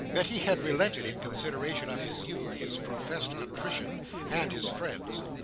That he had relented, in consideration of his youth, his professed contrition, and his friends.